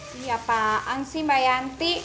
siapaan sih mbak yanti